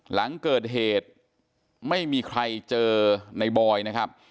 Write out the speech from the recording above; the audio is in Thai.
หลังเกิดเหตุไม่มีใครเจอในบอยนะครับ